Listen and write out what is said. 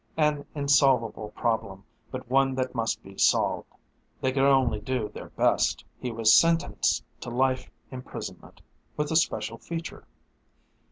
An insolvable problem, but one that must be solved. They could only do their best. He was sentenced to life imprisonment, with a special feature.